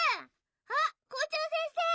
あっ校長先生。